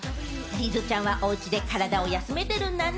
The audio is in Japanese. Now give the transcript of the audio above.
リズちゃんは、おうちで体を休めてるんだね。